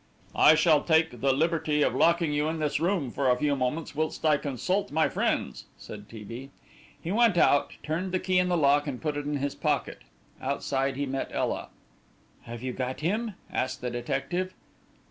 "I shall take the liberty of locking you in this room for a few moments whilst I consult my friends," said T. B. He went out, turned the key in the lock and put it in his pocket. Outside he met Ela. "Have you got him?" asked the detective.